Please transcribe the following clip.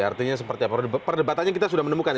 artinya seperti apa perdebatannya kita sudah menemukan ya